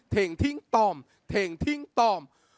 เท่งทิ้งตอมเท่งทิ้งตอม